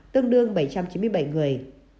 tương đương bảy trăm chín mươi bảy người